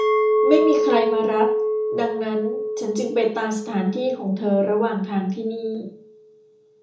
ไม่มีใครมารับดังนั้นฉันจึงไปตามสถานที่ของเธอระหว่างทางที่นี่